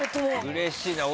うれしいなー。